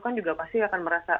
kan juga pasti akan merasa